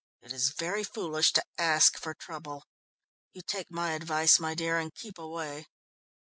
"It is very foolish to ask for trouble. You take my advice, my dear, and keep away."